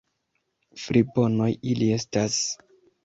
Friponoj ili estas!